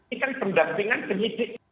ini kan pendampingan penyibik